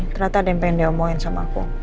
ternyata ada yang pengen dia omongin sama aku